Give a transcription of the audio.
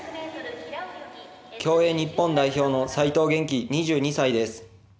競泳日本代表の齋藤元希、２２歳です。